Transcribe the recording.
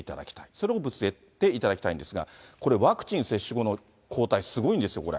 それもぶつけていただきたいんですが、これ、ワクチン接種後の抗体、すごいですよ、これ。